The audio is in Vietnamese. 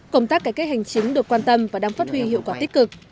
công tác cải cách hành chính được quan tâm và đang phát huy hiệu quả tích cực